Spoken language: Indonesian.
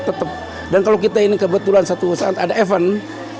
tetap dan kalau kebetulan kita ini satu saat ada event dengan orang lain kita juga berubah